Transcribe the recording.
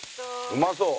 うまそう。